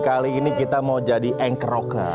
kali ini kita mau jadi anch rocker